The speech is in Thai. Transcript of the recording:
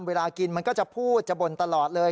เวลากินมันก็จะพูดจะบ่นตลอดเลย